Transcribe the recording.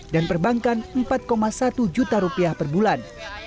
dan perbankan empat satu juta rupiah per bulan